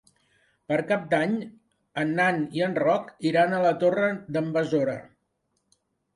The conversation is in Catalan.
Per Cap d'Any en Dan i en Roc iran a la Torre d'en Besora.